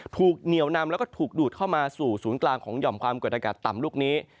เหนียวนำแล้วก็ถูกดูดเข้ามาสู่ศูนย์กลางของหย่อมความกดอากาศต่ำลูกนี้